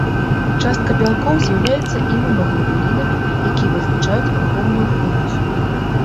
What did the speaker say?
Частка бялкоў з'яўляюцца імунаглабулінамі, якія вызначаюць ахоўную функцыю.